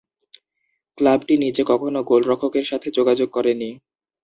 ক্লাবটি নিজে কখনো গোলরক্ষকের সাথে যোগাযোগ করেনি।